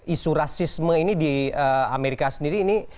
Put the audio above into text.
isu rasisme ini di amerika sendiri ini